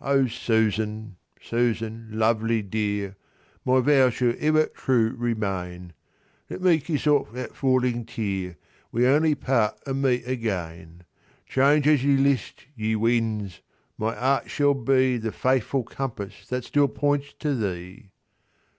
'O Susan, Susan, lovely dear, My vows shall ever true remain; Let me kiss off that falling tear; We only part to meet again. Change as ye list, ye winds; my heart shall beThe faithful compass that still points to thee.